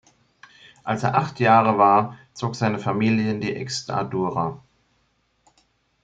Als er acht Jahre alt war, zog seine Familie in die Extremadura.